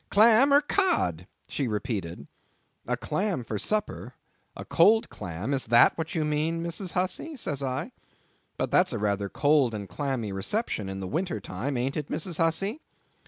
"Clam or Cod?" she repeated. "A clam for supper? a cold clam; is that what you mean, Mrs. Hussey?" says I, "but that's a rather cold and clammy reception in the winter time, ain't it, Mrs. Hussey?"